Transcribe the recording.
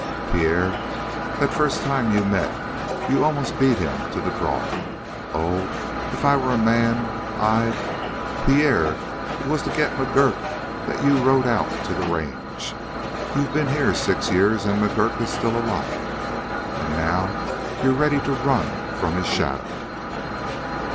"Pierre, that first time you met you almost beat him to the draw. Oh, if I were a man, I'd Pierre, it was to get McGurk that you rode out to the range. You've been here six years, and McGurk is still alive, and now you're ready to run from his shadow."